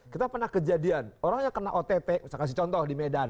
kita pernah kejadian orang yang kena ott saya kasih contoh di medan